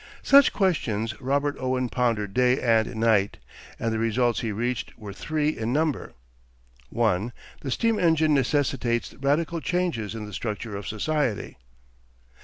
Such questions Robert Owen pondered day and night, and the results he reached were three in number: 1. The steam engine necessitates radical changes in the structure of society.